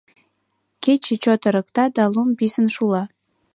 — Кече чот ырыкта да лум писын шула.